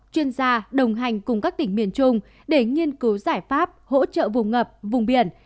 chuyên gia đồng hành cùng các tỉnh miền trung để nghiên cứu giải pháp hỗ trợ vùng ngập vùng biển